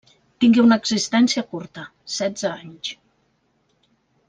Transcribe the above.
Tingué una existència curta: setze anys.